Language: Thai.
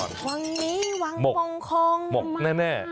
วันนี้วังมงคงมา